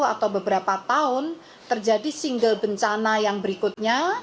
atau beberapa tahun terjadi single bencana yang berikutnya